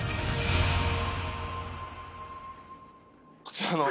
こちらの。